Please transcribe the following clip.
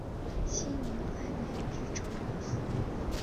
熙宁三年知成都府。